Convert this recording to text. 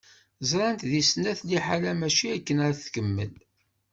Ẓrant di snat liḥala mačči akken ara tkemmel.